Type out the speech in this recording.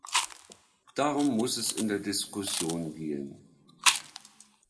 Darum muss es in der Diskussion gehen.